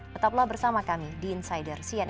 tetaplah bersama kami di insider cnn indonesia